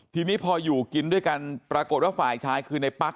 ทีนี้พออยู่กินด้วยกันปรากฏว่าฝ่ายชายคือในปั๊ก